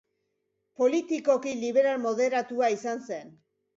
Politikoki liberal moderatua izan zen.